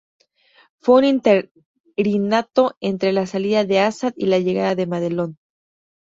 Fue un interinato entre la salida de Asad y la llegada de Madelón.